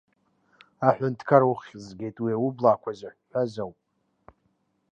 Аҳәынҭқар, уххь згеит, уи аублаақәа зыҳәаз ауп.